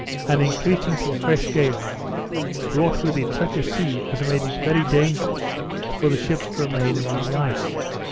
and increasing to a fresh gale, brought with it such a sea as made it very dangerous for the ships to remain among the ice.